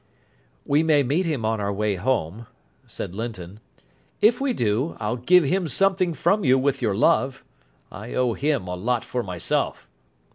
"We may meet him on our way home," said Linton. "If we do, I'll give him something from you with your love. I owe him a lot for myself."